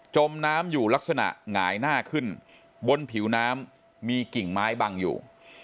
มน้ำอยู่ลักษณะหงายหน้าขึ้นบนผิวน้ำมีกิ่งไม้บังอยู่